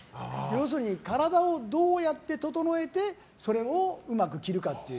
要するに、体をどうやって整えてそれをうまく着るかという。